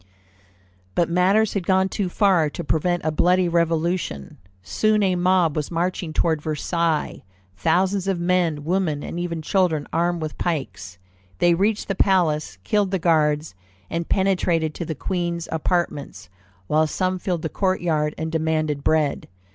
But matters had gone too far to prevent a bloody Revolution. Soon a mob was marching toward Versailles; thousands of men, women, and even children armed with pikes. They reached the palace, killed the guards, and penetrated to the queen's apartments, while some filled the court yard and demanded bread.